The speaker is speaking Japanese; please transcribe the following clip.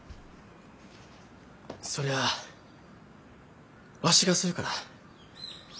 そりゃあわしがするから。